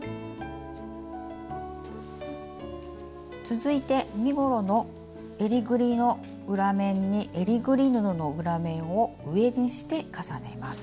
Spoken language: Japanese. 続いて身ごろのえりぐりの裏面にえりぐり布の裏面を上にして重ねます。